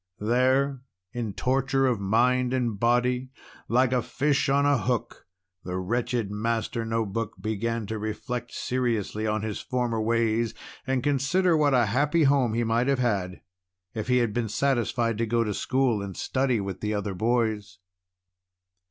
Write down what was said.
There, in torture of mind and body like a fish on a hook the wretched Master No Book began to reflect seriously on his former ways, and to consider what a happy home he might have had if he had been satisfied to go to school and study with the other boys.